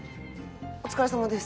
おつかれさまです。